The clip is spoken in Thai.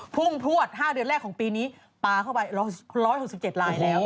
พุ่งพลวด๕เดือนแรกของปีนี้ปลาเข้าไป๑๖๗ลายแล้ว